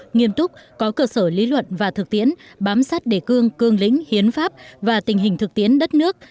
nghiêm túc có cơ sở lý luận và thực tiễn bám sát đề cương cương lĩnh hiến pháp và tình hình thực tiễn đất nước